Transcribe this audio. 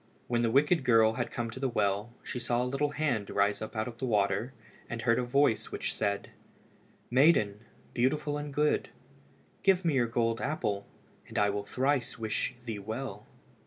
When the wicked girl had come to the well, she saw a little hand rise up out of the water, and heard a voice which said "Maiden, beautiful and good, give me your gold apple and I will thrice wish thee well."